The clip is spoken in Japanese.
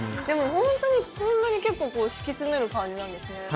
でもホントにこんなに結構こう敷き詰める感じなんですね。